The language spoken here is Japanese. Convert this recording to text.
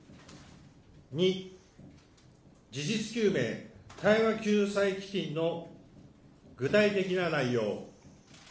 ２、事実究明・対話救済基金の具体的な内容。